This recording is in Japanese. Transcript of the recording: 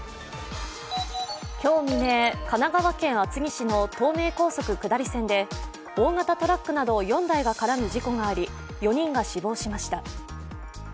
今日未明、神奈川県厚木市の東名高速下り線で、大型トラックなど４台が絡む事故があり４人が死亡しました。